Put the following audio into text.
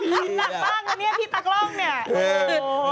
พี่ตักร่องริแล้วบ้างพี่ตักร่องเนี่ย